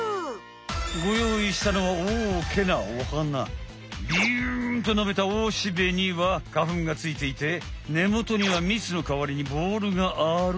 ごよういしたのはビュンとのびたおしべには花ふんがついていてねもとにはみつのかわりにボールがある。